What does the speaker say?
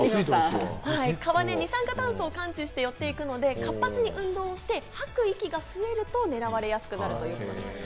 蚊は二酸化炭素を感知して寄っていくので、活発に運動をして、吐く息が増えると狙われやすくなるということなんです。